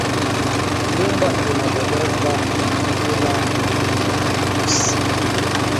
Nyumba ina bomoka na nvula ya busiku